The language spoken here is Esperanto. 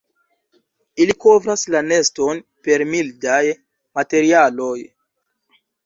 Ili kovras la neston per mildaj materialoj.